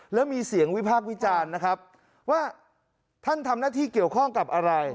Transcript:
แล้วมีเสียงวิพากษ์วิจารณ์นะครับว่าท่านทำหน้าที่เกี่ยวข้องกับอะไร